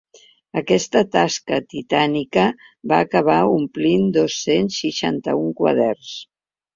Aquesta tasca titànica va acabar omplint dos-cents seixanta-un quaderns.